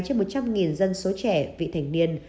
trên một trăm linh dân số trẻ vị thành niên